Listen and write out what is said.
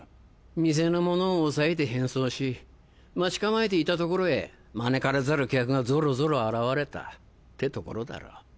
店の者を押さえて変装し待ち構えていたところへ招かれざる客がゾロゾロ現れたてところだろ。